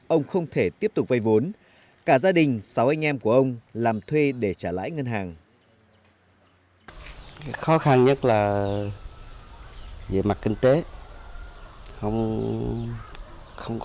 ông không thể tiếp tục vay vốn cả gia đình sáu anh em của ông làm thuê để trả lãi ngân hàng